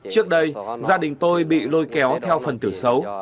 trước đây gia đình tôi bị lôi kéo theo phần tử xấu